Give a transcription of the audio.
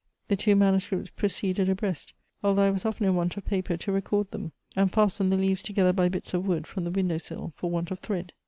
*' The two manuscripts proceeded abreast, although I was often in want of paper to record them, and fastened the leaves together by bits of wood from the window sill for want of thread.